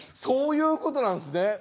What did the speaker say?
そういうことなんすね。